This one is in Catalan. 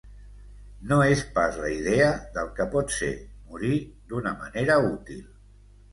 No és pas la idea del que pot ser morir d'una manera útil.